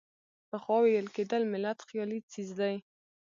پخوا ویل کېدل ملت خیالي څیز دی.